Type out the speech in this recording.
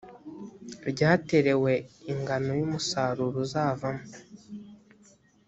ryaterewe ingano y umusaruro uzavamo